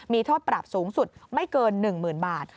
มีโทษปราบสูงสุดไม่เกินหนึ่งหมื่นบาท